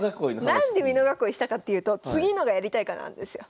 何で美濃囲いしたかっていうと次のがやりたいからなんですよ。